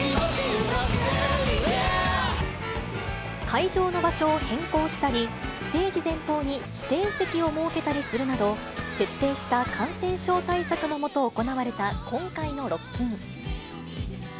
会場の場所を変更したり、ステージ前方に指定席を設けたりするなど、徹底した感染症対策の下、行われた今回のロッキン。